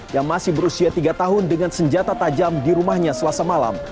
yang masih berusia tiga tahun dengan senjata tajam di rumahnya selasa malam